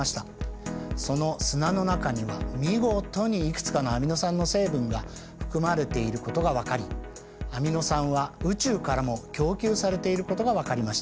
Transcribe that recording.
その砂の中には見事にいくつかのアミノ酸の成分が含まれていることが分かりアミノ酸は宇宙からも供給されていることが分かりました。